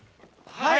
はい！